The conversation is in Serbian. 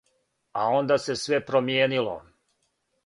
А онда се све промијенило.